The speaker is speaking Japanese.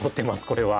これは。